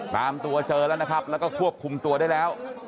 ตามตัวเจอแล้วนะครับแล้วก็ควบคุมตัวได้แล้ว